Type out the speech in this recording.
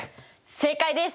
正解です！